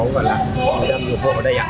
mình có đầm ủng hộ ở đây ạ